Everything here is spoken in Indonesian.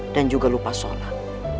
dan juga lupa sholat